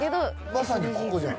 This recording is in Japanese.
まさにここじゃん。